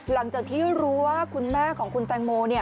หลังจากที่รู้ว่าคุณแม่ของคุณแตงโม